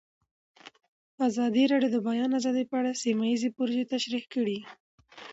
ازادي راډیو د د بیان آزادي په اړه سیمه ییزې پروژې تشریح کړې.